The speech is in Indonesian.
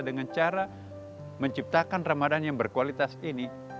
dengan cara menciptakan ramadan yang berkualitas ini